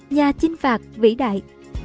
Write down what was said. nhà chinh phạc vĩ đại